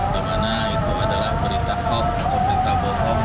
dimana itu adalah berita khot atau berita bohong